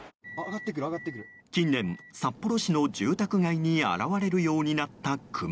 近年、札幌市の住宅街に現れるようになったクマ。